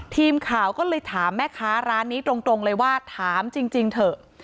ทีมข่าวก็เลยถามแม่ค้าร้านนี้ตรงเลยว่าถามจริงเถอะ